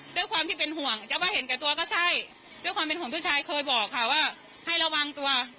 ด้วยความเป็นห่วงผู้ชายเคยบอกค่ะว่าให้ระวังตัว